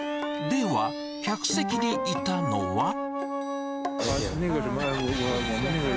では、客席にいたのは。